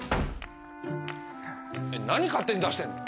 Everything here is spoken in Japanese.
何勝手に出してんの？